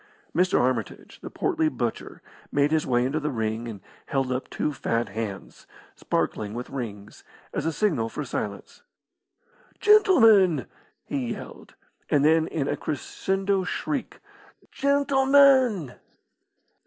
Mr. Armitage, the portly butcher, made his way into the ring and held up two fat hands, sparkling with rings, as a signal for silence. "Gentlemen!" he yelled. And then in a crescendo shriek, "Gentlemen!"